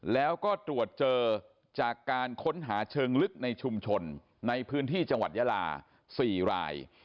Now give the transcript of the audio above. แล้วก็ตรวจเจอจากการค้นหาเชิงลึกในชุมชนในพื้นที่จังหวัดยาลา๔ราย